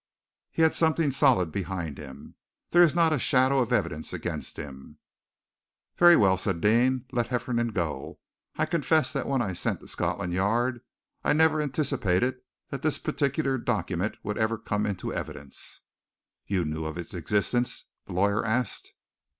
He had something solid behind him. There is not a shadow of evidence against him." "Very well," said Deane, "let Hefferom go. I confess that when I sent to Scotland Yard I never anticipated that this particular document would ever come into evidence." "You knew of its existence?" the lawyer asked.